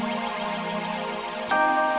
mba abe dulu lagi